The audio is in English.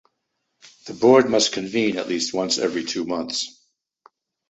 The board must convene at least once every two months.